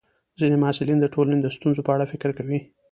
ځینې محصلین د ټولنې د ستونزو په اړه فکر کوي.